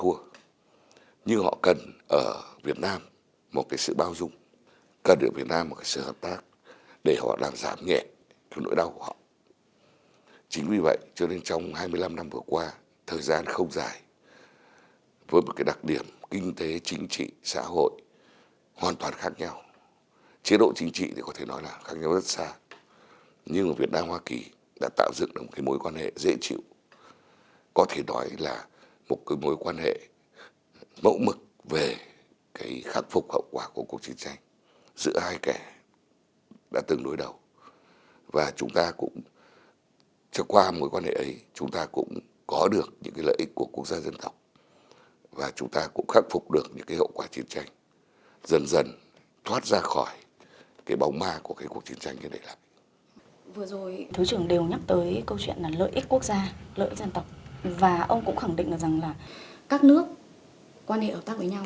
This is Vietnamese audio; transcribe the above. vừa rồi thứ trưởng đều nhắc tới câu chuyện lợi ích quốc gia lợi ích dân tộc và ông cũng khẳng định rằng là các nước quan hệ hợp tác với nhau vì chính lợi ích của nước họ